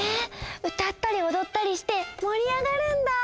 うたったりおどったりしてもり上がるんだ！